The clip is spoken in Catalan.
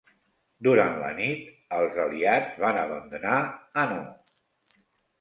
Durant la nit, els aliats van abandonar Hanau.